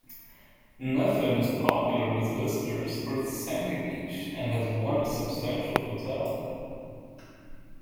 Nefyn is popular with visitors for its sandy beach, and has one substantial hotel.